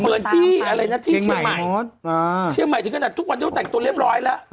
เหมือนที่อะไรนะที่เชียงใหม่เชียงใหม่ถึงขนาดทุกวันนี้เขาแต่งตัวเรียบร้อยแล้ว